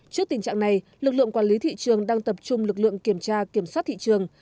trước tình trạng này lực lượng quản lý thị trường đang tập trung lực lượng kiểm tra kiểm soát thị trường